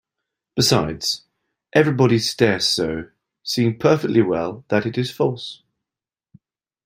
Besides, everybody stares so, seeing perfectly well that it is false.